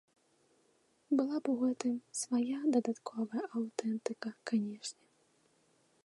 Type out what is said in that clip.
Была б у гэтым свая дадатковая аўтэнтыка, канешне.